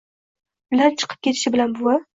Ular chiqib ketishi bilan buvi: